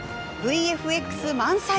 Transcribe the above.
ＶＦＸ満載！